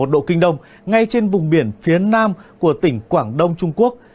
một trăm một mươi ba một độ kinh đông ngay trên vùng biển phía nam của tỉnh quảng đông trung quốc